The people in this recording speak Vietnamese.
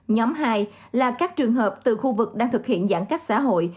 nhóm hai là các trường hợp từ khu vực đang thực hiện giãn cách xã hội